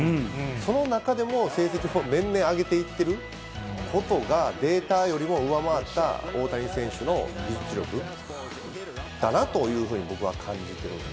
その中でも、成績を年々上げていっていることが、データよりも上回った大谷選手の技術力だなというふうに僕は感じ